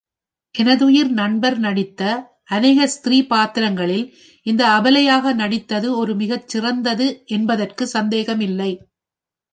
எனதுயிர் நண்பர் நடித்த அநேக ஸ்திரீ பாத்திரங்களில், இந்த அபலையாக நடித்தது ஒரு மிகச் சிறந்தது என்பதற்குச் சந்தேகமில்லை.